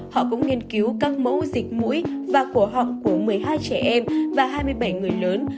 họ cũng nghiên cứu các mẫu dịch mũi và cổ họng của một mươi hai trẻ em và hai mươi bảy người lớn